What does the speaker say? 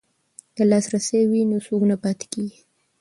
که لاسرسی وي نو څوک نه پاتې کیږي.